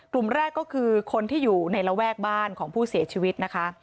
กลุ่มแรกก็คือคนที่อยู่ในระแวกบ้านของผู้เสียชีวิตนะคะ